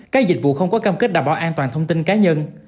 các dịch vụ không có cam kết đảm bảo an toàn thông tin cá nhân